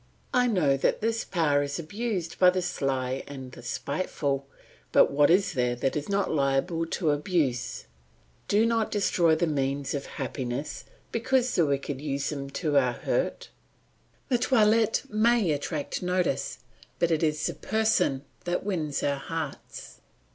I know that this power is abused by the sly and the spiteful; but what is there that is not liable to abuse? Do not destroy the means of happiness because the wicked use them to our hurt. The toilet may attract notice, but it is the person that wins our hearts.